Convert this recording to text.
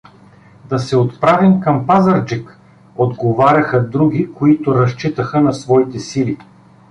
— Да се отправим към Пазарджик! — отговаряха други, които разчитаха на своите сили.